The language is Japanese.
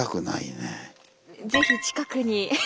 ぜひ近くに。